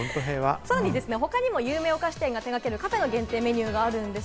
他にも有名お菓子店が手掛けるカフェ限定メニューがあります。